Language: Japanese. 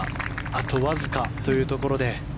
あとわずかというところで。